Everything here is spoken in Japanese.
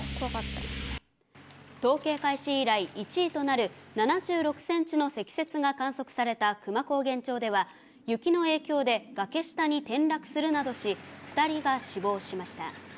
統計開始以来、１位となる７６センチの積雪が観測された久万高原町では、雪の影響で崖下に転落するなどし、２人が死亡しました。